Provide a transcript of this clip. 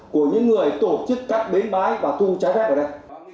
của những người tổ chức các bến bái và thu trái phép ở đây